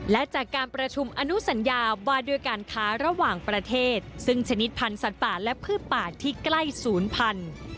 และจากการประชุมอนุสัญญาว่าด้วยการค้าระหว่างประเทศซึ่งชนิดพันธุ์สัตว์ป่าและพืชป่าที่ใกล้ศูนย์พันธุ์